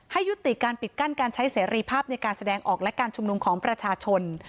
ให้ยุติการปิดกั้นการใช้เสรีภาพในการแสดงออกและการชุมนุมของประชาชน